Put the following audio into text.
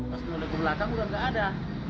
pas menulis ke belakang udah nggak ada